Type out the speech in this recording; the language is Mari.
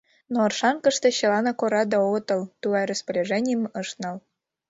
Но Оршанкыште чыланак ораде огытыл, тугай распоряженийым ышт нал.